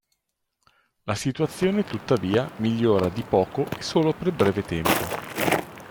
La situazione tuttavia migliora di poco e solo per breve tempo.